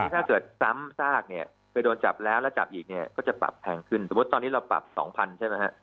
ถ้าเกิดซ้ำซากเนี่ยไปโดนจับแล้วแล้วจับอีกเนี่ยก็จะปรับแพงขึ้นสมมุติตอนนี้เราปรับ๒๐๐ใช่ไหมฮะ